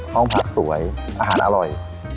ห้องพักสวยอาหารอร่อย